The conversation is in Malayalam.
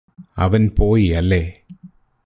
അവന് പോയി അല്ലേ